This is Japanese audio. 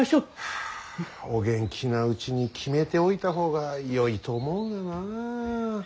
はあお元気なうちに決めておいた方がよいと思うがなあ。